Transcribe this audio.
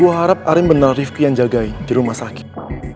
gue harap arin bener rifqi yang jagain di rumah sakit